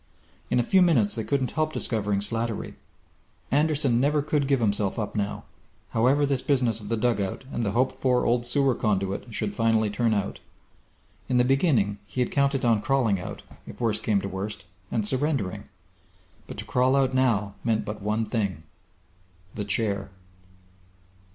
In a few minutes they couldn't help discovering Slattery. Anderson never could give himself up now, however this business of the dugout and the hoped for old sewer conduit should finally turn out. In the beginning he had counted on crawling out, if worst came to worst, and surrendering. But to crawl out now meant but one thing The Chair!